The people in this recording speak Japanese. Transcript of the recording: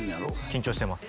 緊張してます